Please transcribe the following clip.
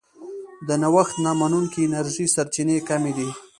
د نوښت نه منونکې انرژۍ سرچینې کمې دي.